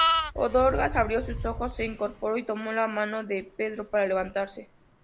Dorcas abrió sus ojos, se incorporó y tomó la mano de Pedro para levantarse.